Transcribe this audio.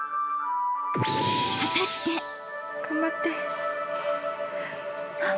［果たして？］頑張って。